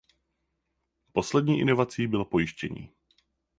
Poslední inovací bylo pojištění.